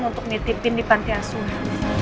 untuk menitipin di panti asuhnya